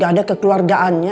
tidak ada kekeluargaannya